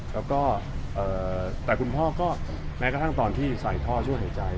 แล้วก็แต่คุณพ่อก็แม้กระทั่งตอนที่ใส่ท่อช่วยหายใจ